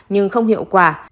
nhưng không hiệu quả